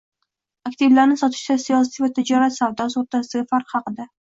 Aktivlarni sotishda siyosiy va tijorat savdosi o'rtasidagi farq haqida